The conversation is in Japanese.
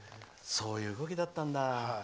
そういう動きだったんだ。